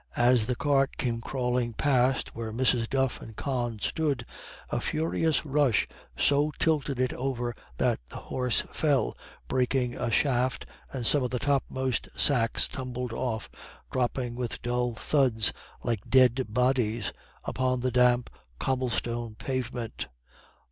As the cart came crawling past where Mrs. Duff and Con stood, a furious rush so tilted it over that the horse fell, breaking a shaft, and some of the topmost sacks tumbled off, dropping with dull thuds, like dead bodies, upon the damp cobblestone pavement.